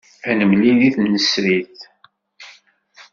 Ad nemlil deg tmesrit.